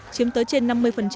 chiếm tới trên năm mươi